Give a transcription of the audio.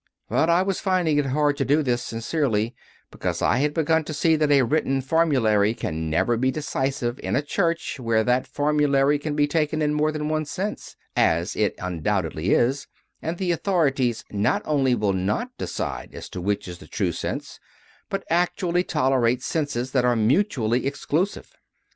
But I was finding it hard to do this sincerely, because I had begun to see that a written formulary can never be decisive in a church where that formulary can be taken in more than one sense as it undoubtedly is and the authorities not only will not decide as to which is the true sense, but actually tolerate senses that are mutually exclusive.